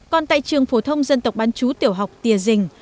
còn tại trường phổ thông dân tộc bán chú tiểu học tìa dình